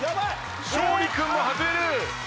勝利君も外れる！